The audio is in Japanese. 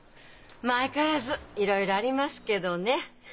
まあ相変わらずいろいろありますけどね。